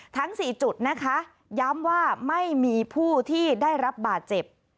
ทั้ง๔จุดนะคะย้ำว่าไม่มีผู้ที่ได้รับบาดเจ็บ